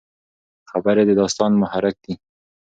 خبرې د داستان محرک دي.